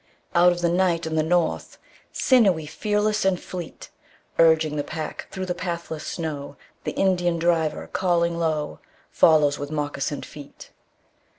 Out of the night and the north, Sinewy, fearless and fleet, Urging the pack through the pathless snow, The Indian driver, calling low, Follows with moccasined feet.